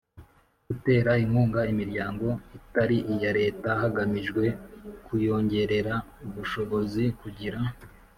Gutera inkunga imiryango itari iya Leta hagamijwe kuyongerera ubushobozi kugira